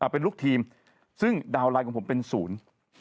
เป็นลูกทีมซึ่งดาวน์ไลน์ของผมเป็นศูนย์